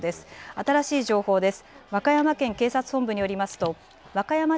新しい情報です。